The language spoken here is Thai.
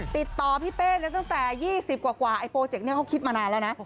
ติดต่อพี่เป้ตั้งแต่๒๐กว่าไอโปรเจกต์นี้เขาคิดมานานแล้วนะ